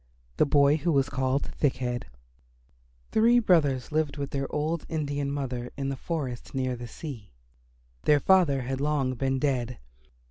THE BOY WHO WAS CALLED THICK HEAD Three brothers lived with their old Indian mother in the forest near the sea. Their father had long been dead.